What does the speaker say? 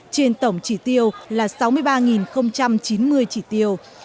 trên tổng trị tiêu là sáu mươi ba chín mươi trị tiêu